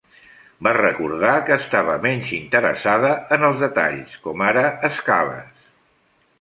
Va recordar que estava menys interessada en els detalls, com ara escales.